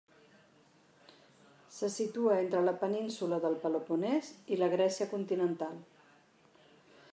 Se situa entre la península del Peloponès i la Grècia continental.